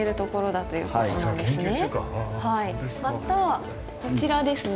またこちらですね。